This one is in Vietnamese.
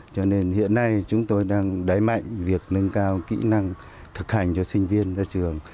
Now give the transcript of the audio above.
cho nên hiện nay chúng tôi đang đẩy mạnh việc nâng cao kỹ năng thực hành cho sinh viên ra trường